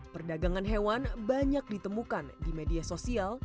perdagangan hewan banyak ditemukan di media sosial